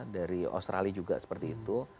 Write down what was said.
dari australia juga seperti itu